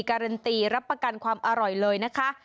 การันตีรับประกันความอร่อยเลยนะคะ